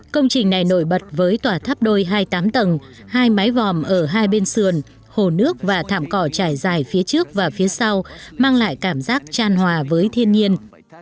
công trình này nổi bật với tòa tháp đôi hai mươi tám tầng hai mái vòm ở hai bên sườn hồ nước và thảm cỏ trải dài phía trước và phía sau mang lại cảm giác tràn hòa với thiên nhiên